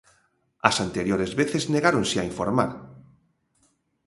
As anteriores veces negáronse a informar.